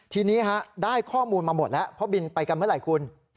ทีนี้ได้ข้อมูลมาหมดแล้วเพราะบินไปกันเมื่อไหร่คุณ